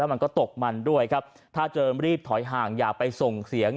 มันก็ตกมันด้วยครับถ้าเจิมรีบถอยห่างอย่าไปส่งเสียง